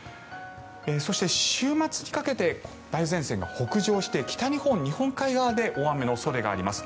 そして週末にかけて梅雨前線が北上して北日本の日本海側で大雨の恐れがあります。